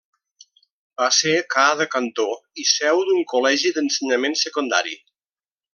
Va ser ca de cantó i seu d'un col·legi d'ensenyament secundari.